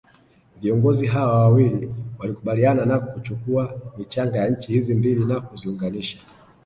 viongozi hawa wawili walikubaliana na kuchukua michanga ya nchi hizi mbili na kuziunganisha